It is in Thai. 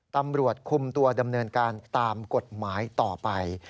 ตำรวจคุมตัวดำเนินการตามกฎหมายต่อไป